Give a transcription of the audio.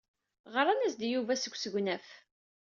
Ɣran-as-d i Yuba seg usegnaf.